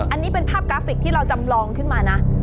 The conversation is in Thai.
อันนี้เป็นภาพกราฟิกที่เราจำลองขึ้นมานะ